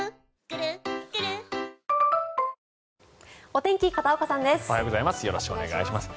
おはようございます。